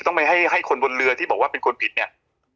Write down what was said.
ต้องไปให้คนบนเรือที่บอกว่าเป็นคนผิดเนี่ย